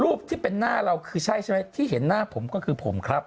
ที่เป็นหน้าเราคือใช่ใช่ไหมที่เห็นหน้าผมก็คือผมครับ